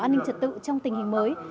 an ninh trật tự trong tình hình mới